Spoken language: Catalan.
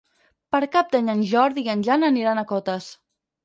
Per Cap d'Any en Jordi i en Jan aniran a Cotes.